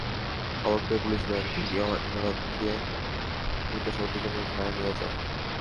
খবর পেয়ে পুলিশ ব্যাংকে গিয়ে ইমারতকে জিজ্ঞাসাবাদের জন্য থানায় নিয়ে যায়।